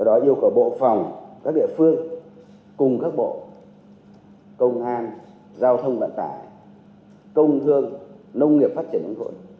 do đó yêu cầu bộ phòng các địa phương cùng các bộ công an giao thông vận tải công thương nông nghiệp phát triển ứng hội